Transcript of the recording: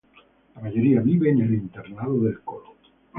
La mayoría vive en el Internado del coro.